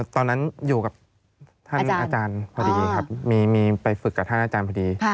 ตอนนั้นอยู่กับท่านอาจารย์พอดีครับมีไปฝึกกับท่านอาจารย์พอดี